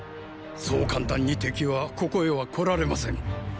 そう簡単に敵はここへは来られません！